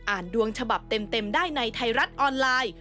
ดวงฉบับเต็มได้ในไทยรัฐออนไลน์